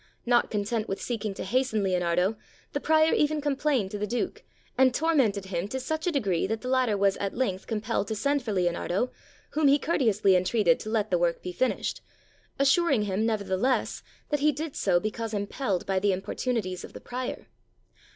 Not content with seeking to hasten Leonardo, the Prior even complained to the Duke, and tormented 87 ITALY him to such a degree that the latter was at length compelled to send for Leonardo, whom he courteously entreated to let the work be finished, assuring him never theless that he did so because impelled by the impor tunities of the Prior.